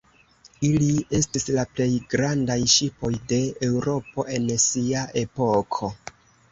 Ili estis la plej grandaj ŝipoj de Eŭropo en sia epoko.